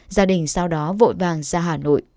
gia đình sau đó vội vàng ra hà nội